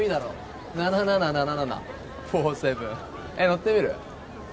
乗ってみる？